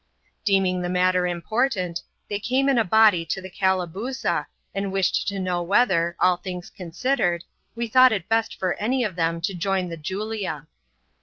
Deeming the matter important, they came in a body to the Calabooza, and wished to know whether, all things considered, i we thought it best for any of them to join the Julia.